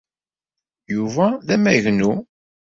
Yuba d amagnu.